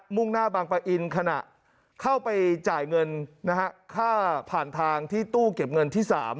่งหน้าบางปะอินขณะเข้าไปจ่ายเงินนะฮะค่าผ่านทางที่ตู้เก็บเงินที่๓